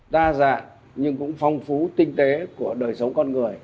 đa dạng nhưng cũng phong phú tinh tế của đời sống con người